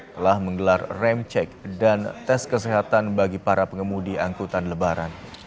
telah menggelar rem cek dan tes kesehatan bagi para pengemudi angkutan lebaran